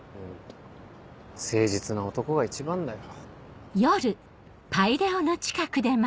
誠実な男が一番だよ。